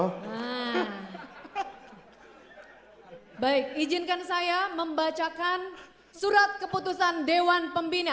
hai hai hai baik izinkan saya membacakan surat keputusan dewan pembina